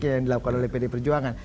yang dilakukan oleh pd perjuangan